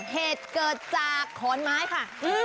เหตุเกิดจากขอนไม้ค่ะ